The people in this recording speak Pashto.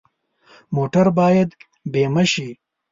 موټر باید بیمه شي.